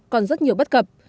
còn rất nhiều bất cập